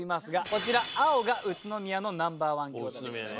こちら青が宇都宮のＮｏ．１餃子でございます。